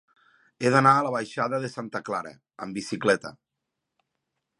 He d'anar a la baixada de Santa Clara amb bicicleta.